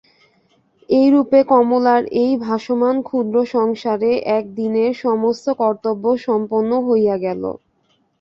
এইরূপে কমলার এই ভাসমান ক্ষুদ্র সংসারের একদিনের সমস্ত কর্তব্য সম্পন্ন হইয়া গেল।